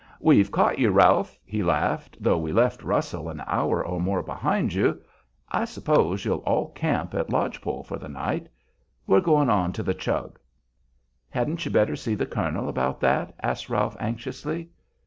"We've caught you, Ralph," he laughed, "though we left Russell an hour or more behind you. I s'pose you'll all camp at Lodge Pole for the night. We're going on to the Chug." "Hadn't you better see the colonel about that?" asked Ralph, anxiously.